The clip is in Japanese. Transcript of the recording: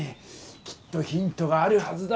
きっとヒントがあるはずだ。